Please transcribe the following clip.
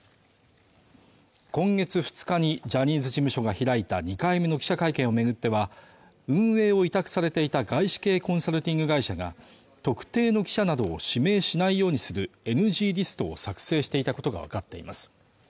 今月２日にジャニーズ事務所が開いた２回目の記者会見を巡っては運営を委託されていた外資系コンサルティング会社が特定の記者などを指名しないようにするＮＧリストを作成していたことが分かっています